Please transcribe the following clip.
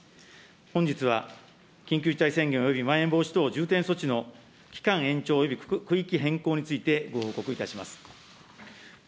本日は緊急事態宣言およびまん延防止等重点措置の期間延長および区域変更についてご報告いたします。